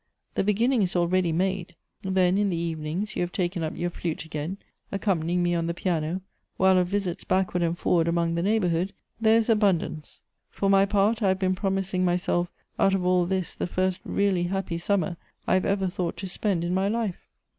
The beginning is already made. Then, in the evenings, you have taken up your flute again, accompanying me 8 Goethe's on the piano, while of visits backwards and forwards among the neighborhood, there is abundance. For my part, I have been promising myself out of all this the first really happy summer I have ever thought to spend in my life."